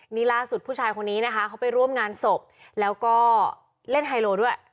นี่ล่าสุดผู้ชายคนนี้นะคะเขาไปร่วมงานศพแล้วก็เล่นไฮโลด้วย